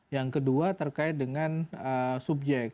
yang kedua terkait dengan subjek